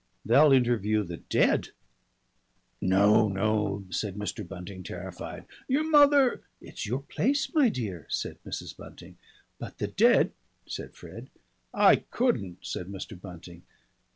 "They'll interview the Ded!" "No, no," said Mr. Bunting terrified. "Your mother " "It's your place, my dear," said Mrs. Bunting. "But the Ded " said Fred. "I couldn't," said Mr. Bunting.